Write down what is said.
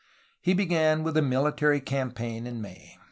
He began with a military campaign in May.